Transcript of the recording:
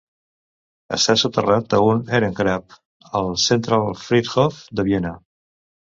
Està soterrat a un Ehrengrab al Zentralfriedhof de Viena.